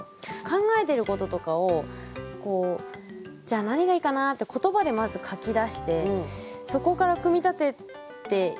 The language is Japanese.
考えてることとかをこうじゃあ何がいいかなって言葉でまず書き出してそこから組み立てていったんですよ。